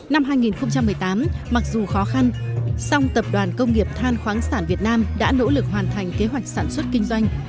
năm hai nghìn một mươi tám mặc dù khó khăn song tập đoàn công nghiệp than khoáng sản việt nam đã nỗ lực hoàn thành kế hoạch sản xuất kinh doanh